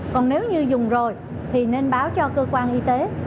còn nếu như dùng rồi thì nên báo cho cơ quan y tế